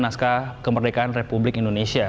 naskah kemerdekaan republik indonesia